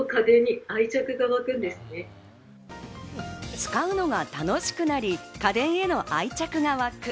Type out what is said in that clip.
使うのが楽しくなり、家電への愛着が湧く。